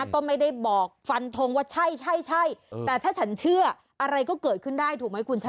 ก็ไม่ได้บอกฟันทงว่าใช่ใช่แต่ถ้าฉันเชื่ออะไรก็เกิดขึ้นได้ถูกไหมคุณชนะ